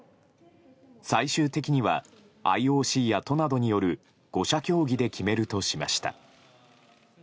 最終的にはＩＯＣや都などによる５者協議で決めるとしました。